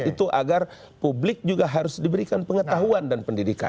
itu agar publik juga harus diberikan pengetahuan dan pendidikan